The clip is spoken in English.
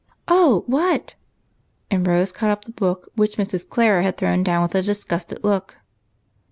" Oh, what ?" and Rose caught up the book which Mrs. Clara had thrown down with a disgusted look.